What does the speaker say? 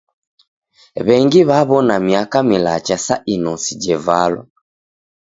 W'engi w'aw'ona miaka milacha sa inosi jevalwa.